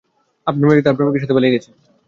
আপনার মেয়ে তার প্রেমিকের সাথে পালিয়ে গেছে।